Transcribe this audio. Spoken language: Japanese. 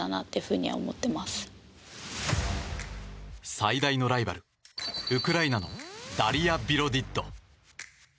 最大のライバル、ウクライナのダリア・ビロディッド。